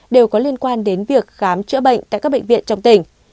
đều có liên quan đến việc khám chữa bệnh tại các bệnh viện trong tỉnh